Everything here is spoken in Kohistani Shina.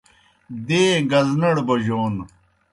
دَیں گزنَڑ بوجون